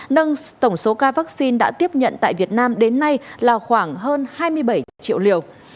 nâng tổng số ca vaccine đã tiếp nhận tại việt nam đến nay là khoảng hơn hai mươi bảy triệu liều